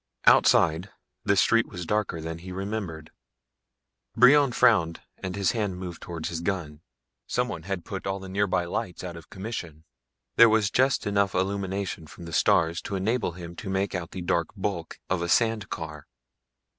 Outside, the street was darker than he remembered. Brion frowned and his hand moved towards his gun. Someone had put all the nearby lights out of commission. There was just enough illumination from the stars to enable him to make out the dark bulk of a sand car.